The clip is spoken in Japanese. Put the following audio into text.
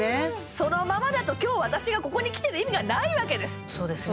そのままだと今日私がここに来てる意味がないわけですそうですね